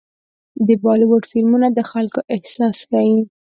د بالیووډ فلمونه د خلکو احساس ښيي.